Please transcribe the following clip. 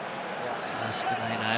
らしくないな。